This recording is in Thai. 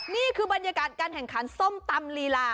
นี่คือบรรยากาศการแข่งขันส้มตำลีลา